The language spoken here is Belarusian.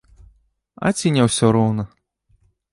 А ці не ўсё роўна?